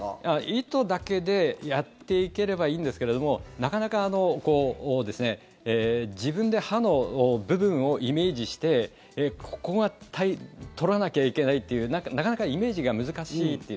糸だけでやっていければいいんですけれどもなかなか、自分で歯の部分をイメージしてここが取らなきゃいけないというなかなかイメージが難しい。